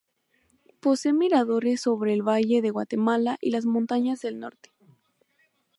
Posee miradores sobre el valle de Guatemala y las montañas del norte.